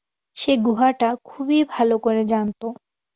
সে গুহাটা খুবই ভালো করে জানতো।